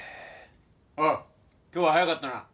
おう今日は早かったな。